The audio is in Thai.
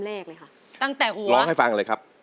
แผนที่๓ที่คุณนุ้ยเลือกออกมานะครับ